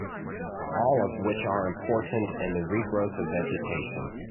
All of which are important in the regrowth of vegetation.